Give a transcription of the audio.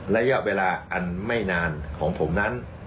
ระยะเวลาอันไม่นานของผมนั้น